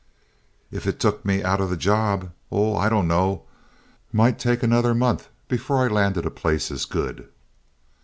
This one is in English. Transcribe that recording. "If it took me out of the job? Oh, I dunno. Might take another month before I landed a place as good."